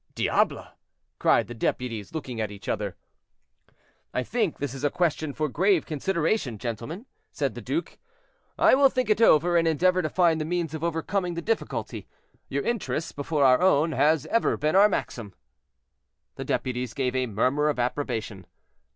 "Diable!" cried the deputies, looking at each other. "I think this is a question for grave consideration, gentlemen," said the duke. "I will think it over, and endeavor to find the means of overcoming the difficulty; your interests, before our own, has ever been our maxim." The deputies gave a murmur of approbation.